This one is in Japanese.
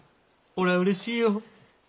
俺はうれしいよ。